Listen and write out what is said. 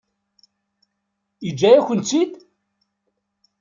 Yeǧǧa-yakent-tt-id?